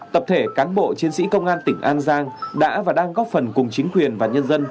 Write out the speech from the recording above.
tập thể cán bộ chiến sĩ công an tỉnh an giang đã và đang góp phần cùng chính quyền và nhân dân